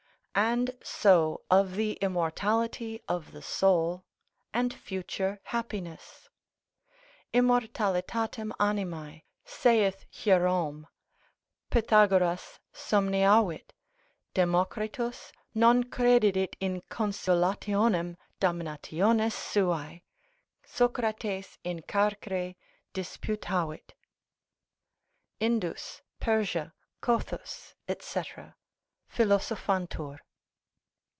And so of the immortality of the soul, and future happiness. Immortalitatem animae (saith Hierom) Pythagoras somniavit, Democritus non credidit in consolalionem damnationis suae Socrates in carcere disputavit; Indus, Persa, Cothus, &c. Philosophantur.